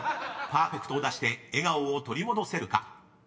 ［パーフェクトを出して笑顔を取り戻せるか？］